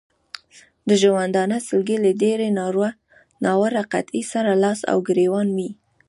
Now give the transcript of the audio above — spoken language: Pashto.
د ژوندانه سلګۍ له ډېرې ناوړه قحطۍ سره لاس او ګرېوان وې.